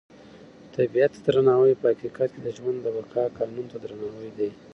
طبیعت ته درناوی په حقیقت کې د ژوند د بقا قانون ته درناوی دی.